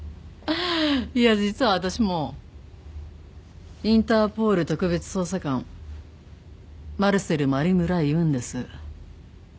いや実はあたしもインターポール特別捜査官マルセル真梨邑いうんです。